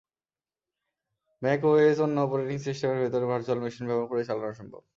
MacOS অন্য operating সিস্টেমের ভেতরে ভার্চুয়াল মেশিন ব্যবহার করে চালানো সম্ভব।